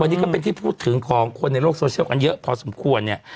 วันนี้ก็เป็นที่พูดถึงของคนในโลกโซเชียลกันเยอะพอสมควรเนี่ย